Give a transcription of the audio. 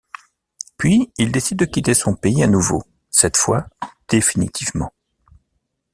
Puis il décide de quitter son pays à nouveau, cette fois définitivement.